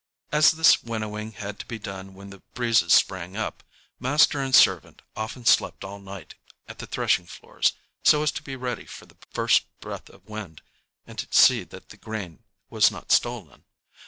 As this winnowing had to be done when the breezes sprang up, master and servant often slept all night at the threshing floors, so as to be ready for the first breath of wind, and to see that the grain was not stolen.